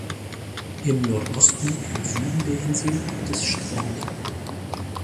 Im Nordosten und Süden der Insel gibt es Strände.